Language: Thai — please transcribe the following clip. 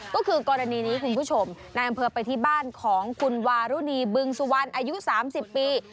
ก็คือกรณีนี้คุณผู้ชมนายอำเภอไปที่บ้านของคุณวารุณีบึงสุวรรณอายุ๓๐ปี